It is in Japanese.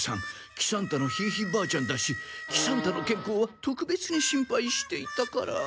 喜三太のひいひいばあちゃんだし喜三太の健康は特別に心配していたから。